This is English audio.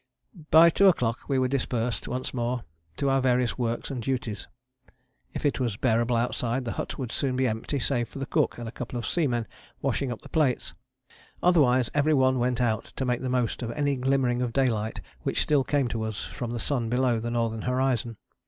By two o'clock we were dispersed once more to our various works and duties. If it was bearable outside, the hut would soon be empty save for the cook and a couple of seamen washing up the plates; otherwise every one went out to make the most of any glimmering of daylight which still came to us from the sun below the northern horizon.